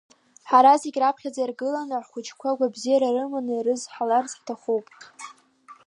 Ҳара зегь раԥхьаӡа иргыланы, ҳхәыҷқәа агәабзиара рыманы ирызҳаларц ҳҭахуп.